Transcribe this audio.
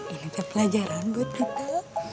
ini tuh pelajaran buat kita